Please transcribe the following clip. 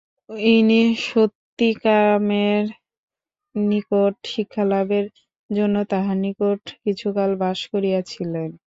ইনি সত্যকামের নিকট শিক্ষালাভের জন্য তাঁহার নিকট কিছুকাল বাস করিয়াছিলেন।